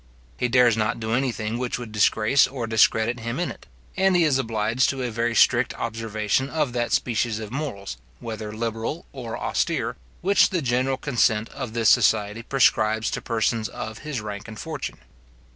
He dares not do anything which would disgrace or discredit him in it; and he is obliged to a very strict observation of that species of morals, whether liberal or austere, which the general consent of this society prescribes to persons of his rank and fortune.